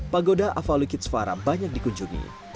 pagoda avalokitsvara banyak dikunjungi